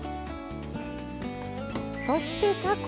そしてたこ。